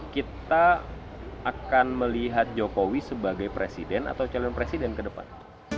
kita akan melihat jokowi sebagai presiden atau calon presiden ke depan